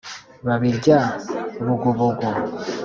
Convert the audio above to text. Babirya bugubugu